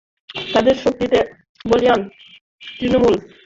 তাঁদের শক্তিতে বলীয়ান তৃণমূল তাই প্রথমবার কোচবিহার আসন জেতার জন্য ঝাঁপিয়েছে।